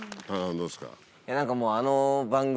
どうですか？